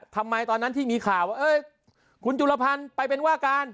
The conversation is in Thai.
ทำไมตอนนั้นที่มีข่าวว่าคุณจุลพันธ์ไปเป็นว่าการ